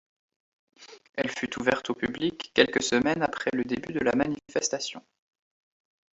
Elle fut ouverte au public quelques semaines après le début de la manifestation.